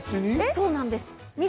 そうなんです。